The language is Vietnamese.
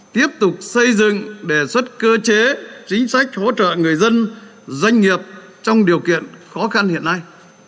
tiếp tục xây dựng đề xuất cơ chế chính sách hỗ trợ người dân doanh nghiệp trong điều kiện khó khăn hiện nay